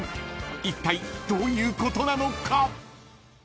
［いったいどういうことなのか？］